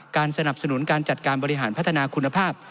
สนับสนุนการจัดการบริหารพัฒนาคุณภาพ